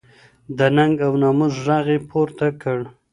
د ننګ او ناموس ږغ یې پورته کړ